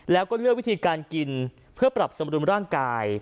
แล้วก็เลือกวิธีการกินเพื่อปรับสมรุนร่างกาย